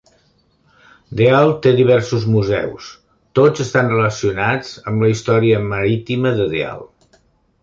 Deal té diversos museus; tots estan relacionats amb la història marítima de Deal.